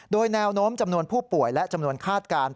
โดยแนวโน้มจำนวนผู้ป่วยและจำนวนคาดการณ์